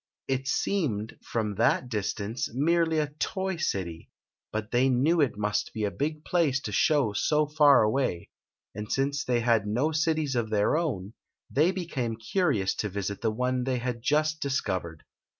It seemed, from that distance, merely a toy city but they knew it must be a big place to show so far away ; and since they had no cities of their own, they became curious to visit the one they had just dis covered.